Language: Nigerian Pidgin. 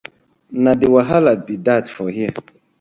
Na de wahala bi dat for here.